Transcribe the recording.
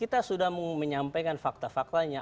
kita sudah menyampaikan fakta faktanya